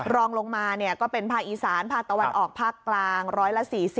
รองลงมาก็เป็นภาคอีสานภาคตะวันออกภาคกลาง๑๔๐